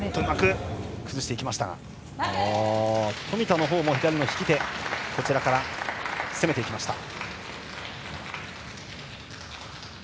冨田も左の引き手こちらから攻めていきました。